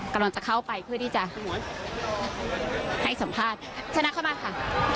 กำลังจะเข้าไปเพื่อที่จะให้สัมภาษณ์ชนะเข้ามาค่ะ